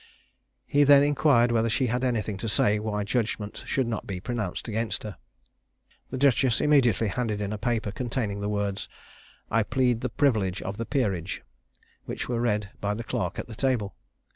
He then inquired whether she had anything to say why judgment should not be pronounced against her? The duchess immediately handed in a paper containing the words, "I plead the privilege of the peerage," which were read by the clerk at the table.